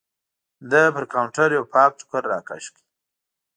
ده پر کاونټر یو پاک ټوکر راکش کړ.